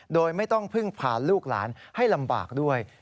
โดยไม่ต้องพึ่งพาลูกหลานให้ลำบากด้วย